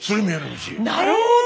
なるほど！